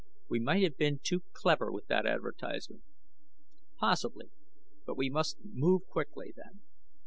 We might have been too clever with that advertisement." "Possibly. But, we must move quickly, then.